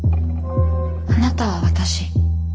あなたは私。